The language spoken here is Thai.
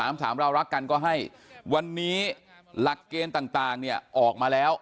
สามสามเรารักกันก็ให้วันนี้หลักเกณฑ์ต่างเนี่ยออกมาแล้ว